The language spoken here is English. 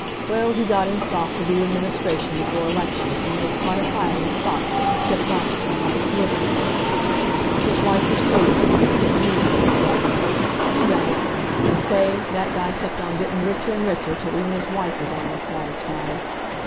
Well, he got in soft with the new administration before election, and made quite a pile in stocks that was tipped off to him by his political friends. His wife was crazy for him to quit the newspaper game. He done it. An' say, that guy kept on gettin' richer and richer till even his wife was almost satisfied.